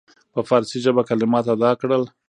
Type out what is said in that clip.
په فارسي ژبه کلمات ادا کړل.